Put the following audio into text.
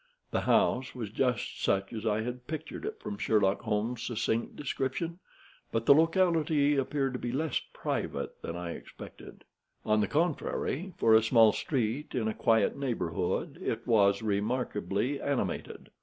The house was just such as I had pictured it from Sherlock Holmes's succinct description, but the locality appeared to be less private than I expected. On the contrary, for a small street in a quiet neighborhood, it was remarkably animated.